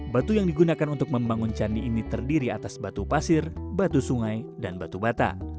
batu yang digunakan untuk membangun candi ini terdiri atas batu pasir batu sungai dan batu bata